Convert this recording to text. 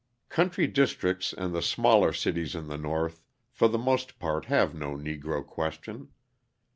Country districts and the smaller cities in the North for the most part have no Negro question.